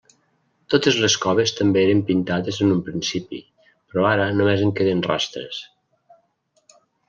Totes les coves també eren pintades en un principi, però ara només en queden rastres.